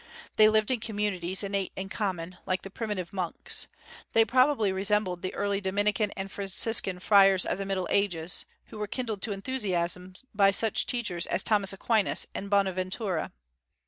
They lived in communities and ate in common, like the primitive monks. They probably resembled the early Dominican and Franciscan friars of the Middle Ages, who were kindled to enthusiasm by such teachers as Thomas Aquinas and Bonaventura.